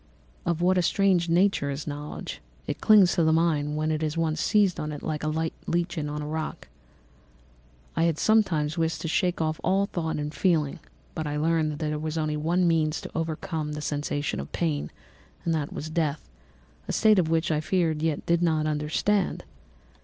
"Of what a strange nature is knowledge! It clings to the mind when it has once seized on it like a lichen on the rock. I wished sometimes to shake off all thought and feeling, but I learned that there was but one means to overcome the sensation of pain, and that was death—a state which I feared yet did not understand.